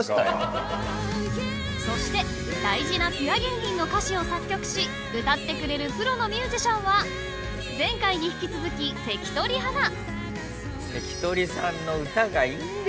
［そして大事なピュア芸人の歌詞を作曲し歌ってくれるプロのミュージシャンは前回に引き続き関取花］